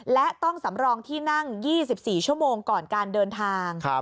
และต้องสำรองที่นั่ง๒๔ชั่วโมงก่อนการเดินทาง